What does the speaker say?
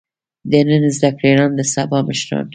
د نن زده کړيالان د سبا مشران.